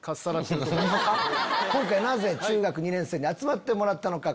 なぜ中学２年生に集まってもらったのか。